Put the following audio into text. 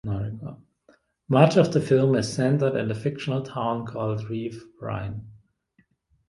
Much of the film is centered in the fictional town called Rive-Reine.